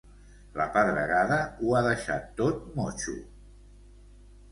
La pedregada ho ha deixat tot motxo.